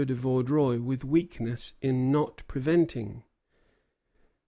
de Vaudreuil with weakness in not preventing."